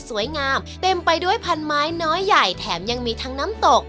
เต็มไปด้วยพันไม้น้อยใหญ่แถมยังมีทั้งน้ำตก